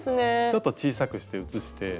ちょっと小さくして写して。